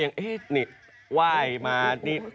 อย่างนี่ไหว้มา